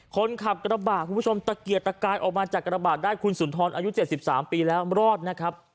คนขับกระบาดคุณผู้ชมตะเกียดตะกายออกมาจากกระบาดได้คุณสุนทรอายุ๗๓ปีแล้วรอดนะครับ